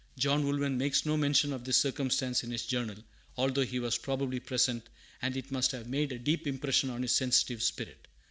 John Woolman makes no mention of this circumstance in his Journal, although he was probably present, and it must have made a deep impression on his sensitive spirit.